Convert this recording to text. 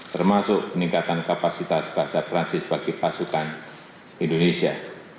termasuk peningkatan kapasitas bahasa perancis bagi pasukan indonesia